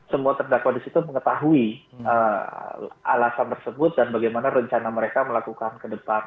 semua terdakwa di situ mengetahui alasan tersebut dan bagaimana rencana mereka melakukan ke depan